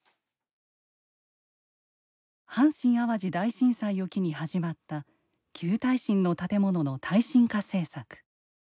阪神・淡路大震災を機に始まった旧耐震の建物の耐震化政策。